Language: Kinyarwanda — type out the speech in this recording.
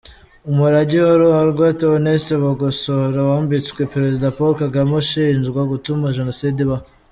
Umurage wa ruharwa Theoneste Bagosora wambitswe Perezida Paul Kagame ashinjwa gutuma Jenoside ibaho.